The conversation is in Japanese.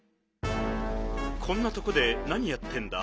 こんなとこでなにやってんだ？